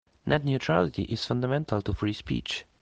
Net neutrality is fundamental to free speech.